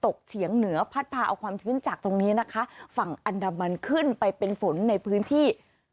เฉียงเหนือพัดพาเอาความชื้นจากตรงนี้นะคะฝั่งอันดามันขึ้นไปเป็นฝนในพื้นที่